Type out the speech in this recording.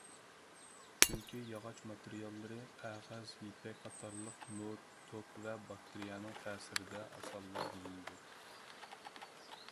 چۈنكى ياغاچ ماتېرىياللىرى، قەغەز، يىپەك قاتارلىقلار نۇر، توك ۋە باكتېرىيەنىڭ تەسىرىدە ئاسانلا بۇزۇلىدۇ.